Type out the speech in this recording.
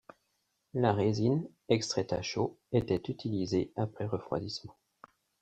La résine extraite à chaud était utilisée après refroidissement.